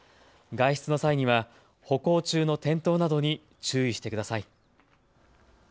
外出の際には歩行中の転倒などに注意してください。